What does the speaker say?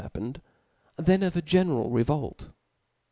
happened) than of 4 general revolt.